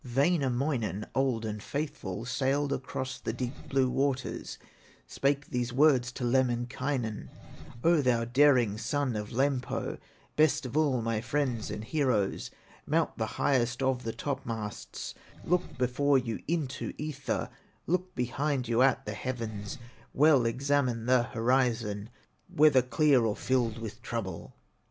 Wainamoinen, old and faithful, Sailed across the deep, blue waters, Spake these words to Lemminkainen: "O thou daring son of Lempo, Best of all my friends and heroes, Mount the highest of the topmasts, Look before you into ether, Look behind you at the heavens, Well examine the horizon, Whether clear or filled with trouble."